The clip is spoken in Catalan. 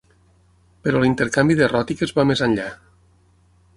Però l'intercanvi de ròtiques va més enllà.